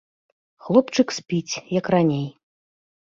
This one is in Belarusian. Хлопчык спіць, як раней.